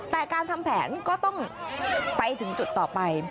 แต่การทำแผนก็ต้องไปถึงจุดต่อไป